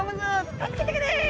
「助けてくれ！」